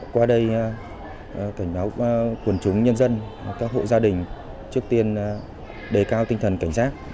qua đây cảnh báo quần chúng nhân dân các hộ gia đình trước tiên đề cao tinh thần cảnh giác